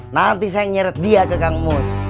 nanti saya nyeret dia ke kang mus